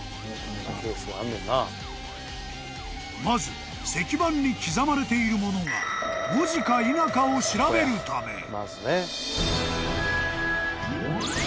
［まず石板に刻まれているものが文字か否かを調べるため］